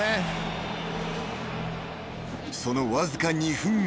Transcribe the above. ［そのわずか２分後］